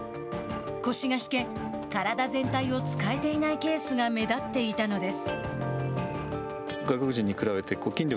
腰が引け体全体を使えていないケースが目立っていたのです。